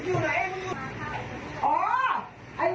มึงอยู่ไหน